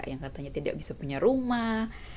yang katanya tidak bisa punya rumah